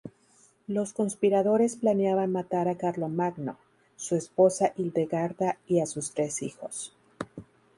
Los conspiradores planeaban matar a Carlomagno, su esposa Hildegarda y a sus tres hijos.